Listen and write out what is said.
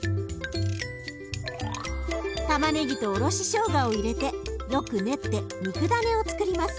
たまねぎとおろししょうがを入れてよく練って肉だねをつくります。